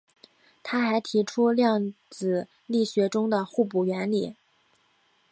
他还提出量子力学中的互补原理。